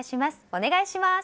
お願いします。